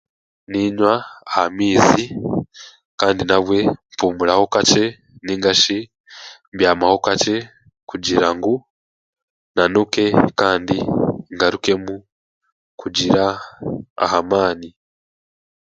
Ninywa ha maizi kandi nabwe mpuumuraho kakye nainga shi mbyamaho kakye kugira ngu nanuke kandi ngarukemu kugira amaani